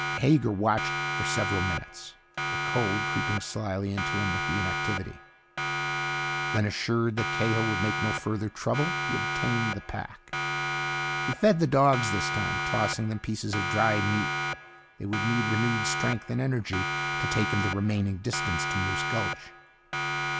Hager watched for several minutes, the cold creeping slyly into him with the inactivity. Then, assured that Cahill would make no further trouble, he obtained the pack. He fed the dogs this time, tossing them pieces of dried meat. They would need renewed strength and energy to take him the remaining distance to Moose Gulch.